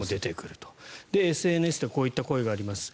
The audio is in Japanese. ＳＮＳでこういう声もあります。